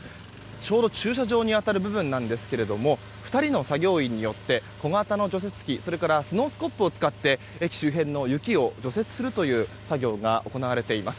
ちょうど駐車場に当たる部分なんですが２人の作業員によって小型の除雪機それからスノースコップを使って駅周辺の雪を除雪するという作業が行われています。